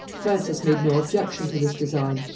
Francis made no objection to this design.